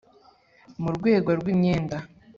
Mu rwego rw imyenda